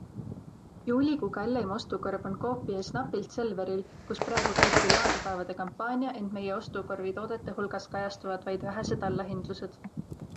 Juulikuu kalleim ostukorv on Coopi ees napilt Selveril, kus praegu käib küll Laadapäevade kampaania, ent meie ostukorvi toodete hulgas kajastuvad vaid vähesed allahindlused.